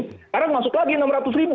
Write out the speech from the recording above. sekarang masuk lagi enam ratus ribu